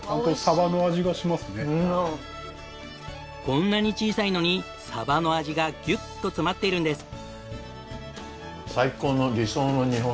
こんなに小さいのにサバの味がギュッと詰まっているんです。